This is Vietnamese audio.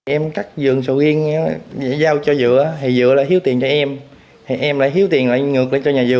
em cắt vườn sổ yên giao cho vợ thì vợ lại hiếu tiền cho em em lại hiếu tiền lại ngược lại cho nhà vườn